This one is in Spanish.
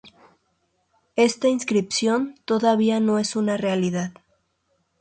Esta inscripción todavía no es una realidad.